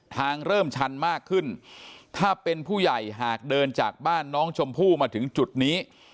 เริ่มชันมากขึ้นถ้าเป็นผู้ใหญ่หากเดินจากบ้านน้องชมพู่มาถึงจุดนี้